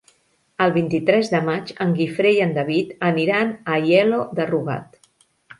El vint-i-tres de maig en Guifré i en David aniran a Aielo de Rugat.